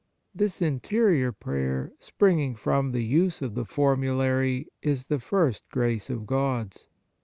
This interior prayer, springing from the use of the formulary, is the first grace of God s.